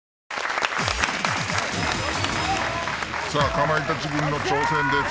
かまいたち軍の挑戦です。